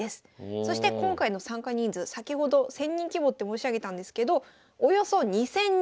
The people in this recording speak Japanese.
そして今回の参加人数先ほど１，０００人規模って申し上げたんですけどおよそ２，０００人！